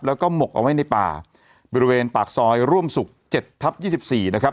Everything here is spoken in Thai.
แล้วก็หมกเอาไว้ในป่าบริเวณปากซอยร่วมศุกร์๗ทับ๒๔นะครับ